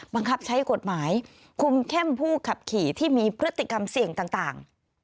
บังคับใช้กฎหมายคุมเข้มผู้ขับขี่ที่มีพฤติกรรมเสี่ยงต่าง